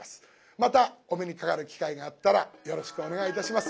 またお目にかかる機会があったらよろしくお願いいたします。